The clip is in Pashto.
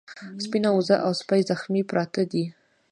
سپينه وزه او سپی زخمي پراته دي.